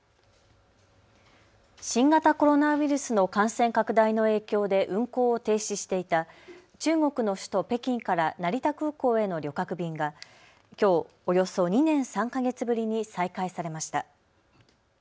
新型コロナウイルスの感染拡大の影響で運航を停止していた中国の首都北京から成田空港への旅客便がきょうおよそ２年３か月ぶりに再開されました。